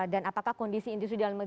dan apakah kondisi industri dalam negeri